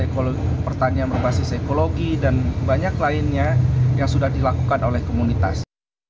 ekologi pertanian berbasis ekologi dan banyak lainnya yang sudah dilakukan oleh komunitas